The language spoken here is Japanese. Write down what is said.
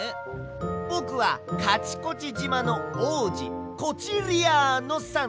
ぼくはカチコチじまのおうじコチリアーノ３せい！